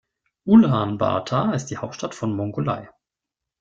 Ulaanbaatar ist die Hauptstadt von Mongolei.